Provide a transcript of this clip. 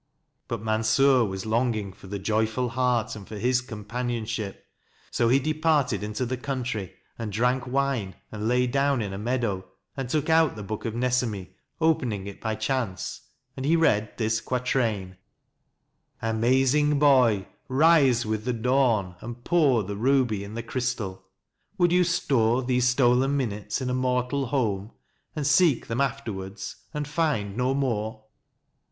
But Mansur was longing for the Joyful Heart, and for his companionship. So he departed into the country, and drank wine, and lay down in a meadow, and took out the book of Nesemi, opening it by chance; and he read this quatrain: Amazing boy, rise with the dawn, and pour The ruby in the crystal. Would you store These stolen minutes in a mortal home And seek them afterwards, and find no more?